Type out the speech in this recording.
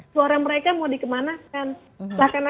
suara mereka mau dikemanakan